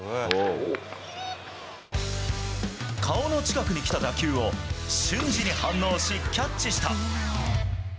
顔の近くに来た打球を瞬時に反応し、キャッチした。